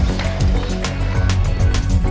kenapa kamu menangis si bayinya diego